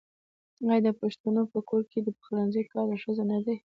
آیا د پښتنو په کور کې د پخلنځي کار د ښځو نه دی؟